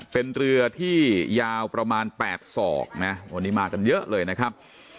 เป็นเรือที่ยาวประมาณ๘ศอกนะวันนี้มากันเยอะเลยนะครับ